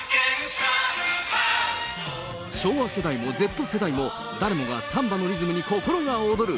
昭和世代もＺ世代も、誰もがサンバのリズムに心が躍る。